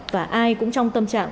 và ai cũng trong tâm trạng